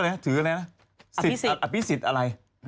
มีสิทธิ์อะไร